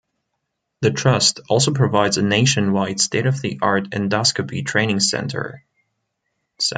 The trust also provides a nationwide state-of-the-art endoscopy training centre.